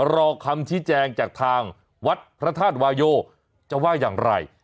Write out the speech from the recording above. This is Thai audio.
รอคำชี้แจงจากทางวัดพระธาตุวายโยจะว่าอย่างไร